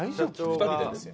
２人でですか？